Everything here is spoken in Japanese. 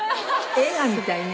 映画みたいね。